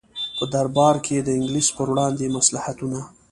په دربار کې د انګلیس پر وړاندې مصلحتونه.